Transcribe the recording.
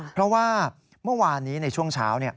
เพราะว่าเมื่อวานนี้ในช่วงเช้า